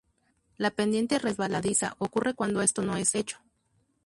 La pendiente resbaladiza ocurre cuando esto no es hecho.